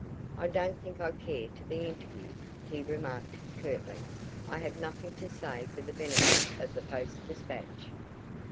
"I don't think I care to be interviewed," he remarked curtly. "I have nothing to say for the benefit of the Post Dispatch."